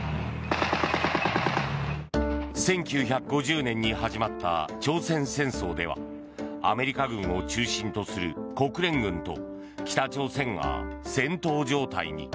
１９５０年に始まった朝鮮戦争ではアメリカ軍を中心とする国連軍と北朝鮮が戦闘状態に。